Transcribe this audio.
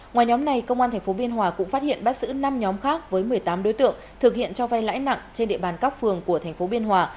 ngoài nhóm này công an tp biên hòa cũng phát hiện bắt giữ năm nhóm khác với một mươi tám đối tượng thực hiện cho vay lãi nặng trên địa bàn các phường của thành phố biên hòa